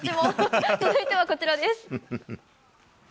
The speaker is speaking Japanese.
続いてはこちらです。